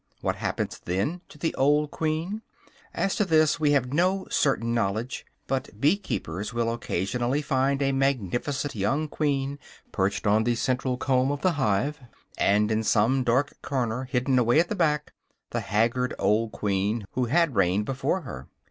What happens then to the old queen? As to this, we have no certain knowledge; but bee keepers will occasionally find a magnificent young queen perched on the central comb of the hive, and in some dark corner, hidden away at the back, the haggard old queen who had reigned before her.